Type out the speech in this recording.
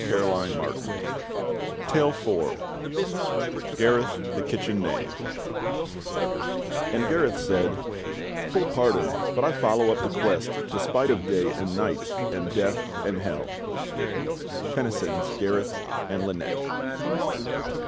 (Bareli) tl)e lKitcl)en IKnave "And Gareth said, 'Full pardon, but I follow up the quest. Despite of Day and Night and Death and Hell.'" Tennyson's "Gareth and Lynette."